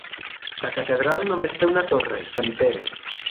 La catedral només té una torre, Sant Pere.